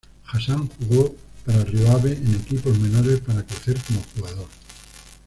Hassan jugó para Rio Ave en equipos menores para crecer como jugador.